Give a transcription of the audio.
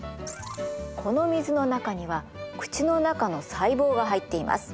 この水の中には口の中の細胞が入っています。